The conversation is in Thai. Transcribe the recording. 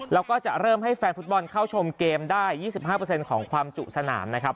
แล้วก็จะเริ่มให้แฟนฟุตบอลเข้าชมเกมได้๒๕ของความจุสนามนะครับ